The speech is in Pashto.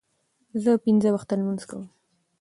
زه پنځه وخته لمونځ کوم.